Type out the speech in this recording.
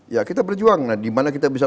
ya kita berjuang nah di mana kita bisa